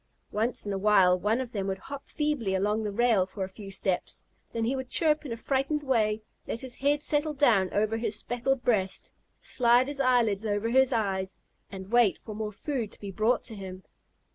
Once in a while one of them would hop feebly along the rail for a few steps. Then he would chirp in a frightened way, let his head settle down over his speckled breast, slide his eyelids over his eyes, and wait for more food to be brought to him.